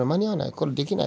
「これできない」。